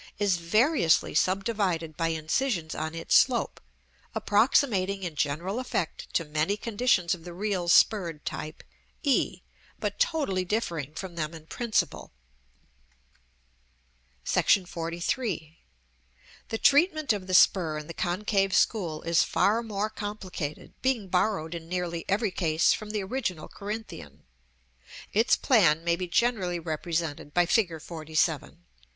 is variously subdivided by incisions on its slope, approximating in general effect to many conditions of the real spurred type, e, but totally differing from them in principle. [Illustration: Fig. LXVII.] [Illustration: Fig. LXVIII.] § XLIII. The treatment of the spur in the concave school is far more complicated, being borrowed in nearly every case from the original Corinthian. Its plan may be generally represented by Fig. LXVII.